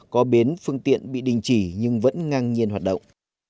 có bến phương tiện bị đình chỉ nhưng vẫn ngang nhiên hoạt động